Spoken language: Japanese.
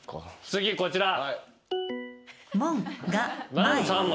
次こちら。